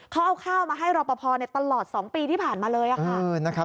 เขาเอาข้าวมาให้รอปภตลอด๒ปีที่ผ่านมาเลยค่ะ